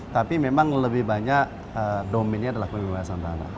tapi memang lebih banyak domainnya adalah pembebasan tanah